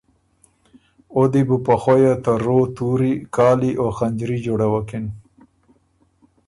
او دی بُو په خویۀ ته رو تُوري، کالی او خنجري جوړوکِن